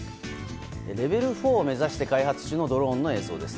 レベル４を目指して開発中のドローンの映像です。